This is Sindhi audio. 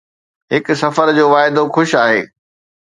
هڪ سفر جو واعدو خوش آهي.